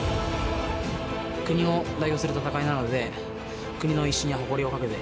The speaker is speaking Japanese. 国を代表する戦いなので国の威信や誇りをかけて。